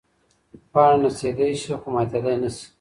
پاڼه نڅېدی شي خو ماتېدی نه شي.